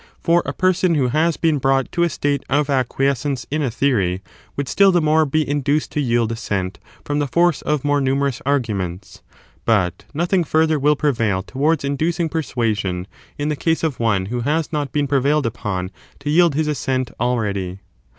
For a person who has been brought to a state of acquiescence in a theory would still the more be induced to yield assent frx)m the force of more numerous arguments; but nothing further will prevail towards inducing persuasion in the case of one who has not been prevailed upon to yield his assent already.